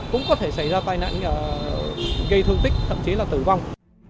cũng có thể xảy ra tai nạn gây thương tích thậm chí là tử vong